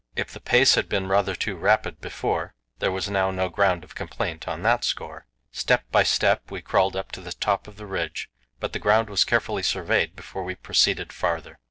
If the pace had been rather too rapid before, there was now no ground of complaint on that score. Step by step we crawled up to the top of the ridge; but the ground was carefully surveyed before we proceeded farther.